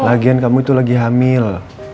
lagian kamu itu lagi hamil